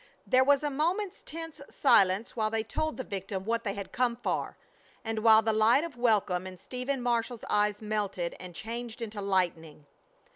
There was a moment's tense silence while they told the victim what they had come for, and while the light of welcome in Stephen Marshall's eyes melted and changed into lightning.